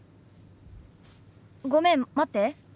ごめん待って。